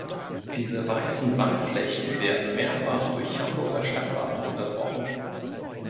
Diese weißen Wandflächen werden mehrfach durch Hamburger Stadtwappen unterbrochen.